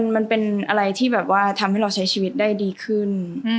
มันเป็นอะไรที่แบบว่าทำให้เราใช้ชีวิตได้ดีขึ้น